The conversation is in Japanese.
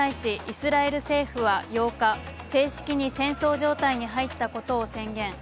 これに対し、イスラエル政府は８日正式に戦争状態に入ったことを宣言。